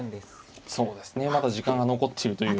そうですねまだ時間が残っているという。